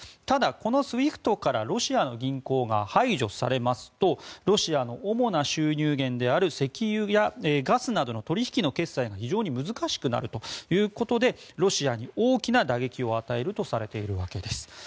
ただ、このＳＷＩＦＴからロシアの銀行が排除されますとロシアの主な収入源である石油やガスなどの取引の決済が非常に難しくなるということでロシアに大きな打撃を与えるとされているわけです。